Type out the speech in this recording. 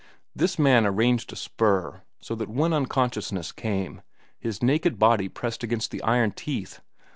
This man arranged a spur so that when unconsciousness came, his naked body pressed against the iron teeth.